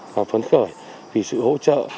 và phấn khởi vì sự hỗ trợ